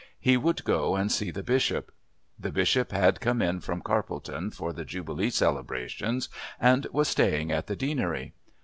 He would go and see the Bishop. The Bishop had come in from Carpledon for the Jubilee celebrations and was staying at the Deanery.